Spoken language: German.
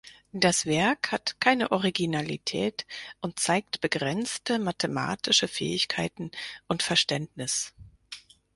Das Werk hat keine Originalität und zeigt begrenzte mathematische Fähigkeiten und Verständnis.